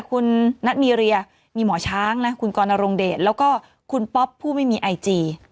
คุณนัทมีเรียมีหมอช้างนะคุณกรณรงเดชแล้วก็คุณป๊อปผู้ไม่มีไอจี